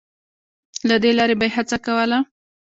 له دې لارې به یې هڅه کوله